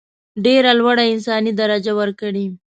ډېره لوړه انساني درجه ورکړي.